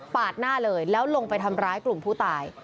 หน้าเลยแล้วลงไปทำร้ายกลุ่มผู้ตาย